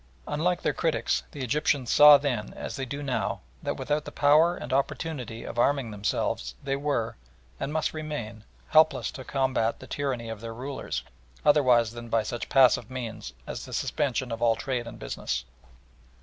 Unlike their critics, the Egyptians saw then, as they do now, that without the power and opportunity of arming themselves they were, and must remain, helpless to combat the tyranny of their rulers, otherwise than by such passive means as the suspension of all trade and business.